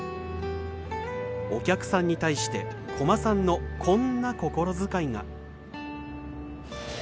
お客さんに対して小間さんのこんな心遣いが。